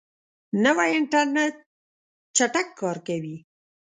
نوی انټرنیټ چټک کار کوي